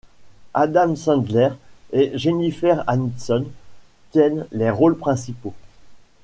Adam Sandler et Jennifer Aniston tiennent les rôles principaux.